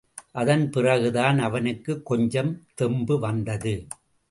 அதன் பிறகுதான் அவனுக்குக் கொஞ்சம் தெம்பு வந்தது.